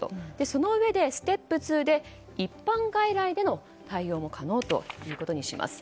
そのうえでステップ２で一般外来での対応も可能ということにします。